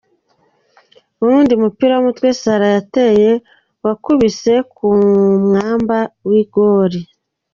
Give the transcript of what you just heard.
Uwundi mupira w'umutwe Salah yateye wakubise ku mwamba w'igoli.